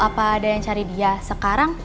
apa ada yang cari dia sekarang